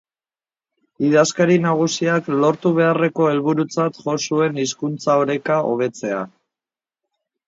Idazkari nagusiak lortu beharreko helburutzat jo zuen hizkuntza-oreka hobetzea.